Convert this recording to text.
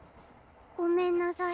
ごめんなさい。